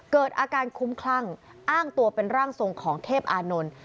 เกิดอาการคุ้มคลั่งอ้างตัวเป็นร่างทรงของเทพอานนท์